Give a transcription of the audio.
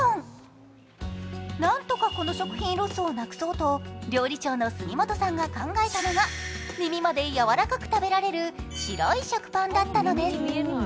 なんとかこの食品ロスをなくそうと料理長の杉本さんが考えたのが耳までやわらかく食べられる白い食パンだったのです。